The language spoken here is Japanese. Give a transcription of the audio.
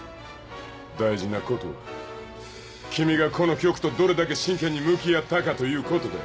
大事なことは君がこの曲とどれだけ真剣に向き合ったかということです。